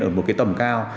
ở một cái tầm cao